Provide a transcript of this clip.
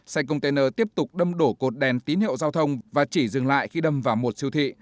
xe container tiếp tục đâm đổ cột đèn tín hiệu giao thông và chỉ dừng lại khi đâm vào một siêu thị